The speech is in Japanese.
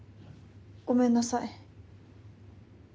ごめんなさい。